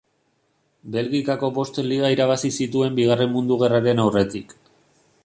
Belgikako bost liga irabazi zituen Bigarren Mundu Gerraren aurretik.